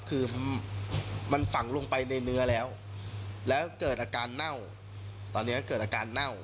คือมันฝังลงไปในเนื้อแล้วแล้วเกิดอาการเน่าตอนนี้เกิดอาการเน่า